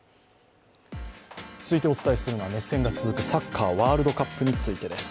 続いてお伝えするのは、熱戦が続くサッカーワールドカップについてです。